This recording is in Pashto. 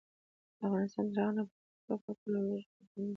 افغانستان تر هغو نه ابادیږي، ترڅو فقر او لوږه ختمه نشي.